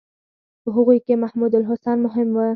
په هغوی کې محمودالحسن مهم و.